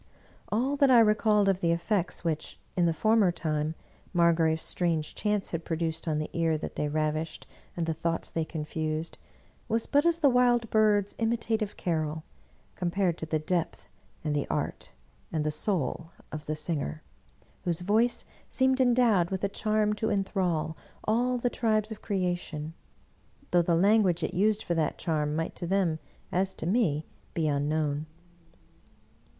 All that I recalled of the effects which, in the former time, Margrave's strange chants had produced on the ear that they ravished and the thoughts they confused, was but as the wild bird's imitative carol, compared to the depth and the art and the soul of the singer, whose voice seemed endowed with a charm to inthrall all the tribes of creation, though the language it used for that charm might to them, as to me, be unknown.